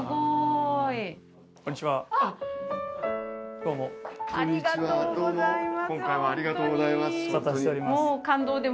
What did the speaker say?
あっどうも今回はありがとうございます